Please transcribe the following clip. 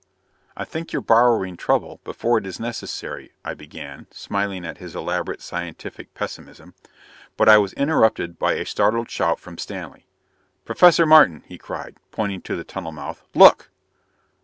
"I think you're borrowing trouble before it is necessary " I began, smiling at his elaborate, scientific pessimism. But I was interrupted by a startled shout from Stanley. "Professor Martin," he cried, pointing to the tunnel mouth. "Look!"